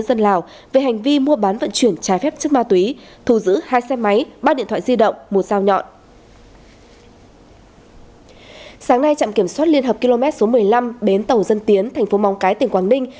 sáng nay trạm kiểm soát liên hợp km số một mươi năm đến tàu dân tiến tp mong cái tp quảng ninh